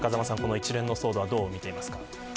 一連の騒動は、どう見てますか。